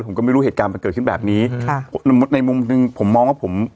ผมก็ไม่รู้เหตุการณ์มันเกิดขึ้นแบบนี้ค่ะในมุมหนึ่งผมมองว่าผม